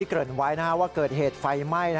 ที่เกิดไว้ว่าเกิดเหตุไฟไหม้